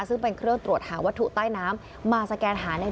ซึ่งเป็นเครื่องตรวจหาวัตถุใต้น้ำมาสแกนหาใน